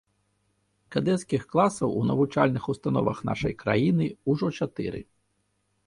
Кадэцкіх класаў у навучальных установах нашай краіны ўжо чатыры.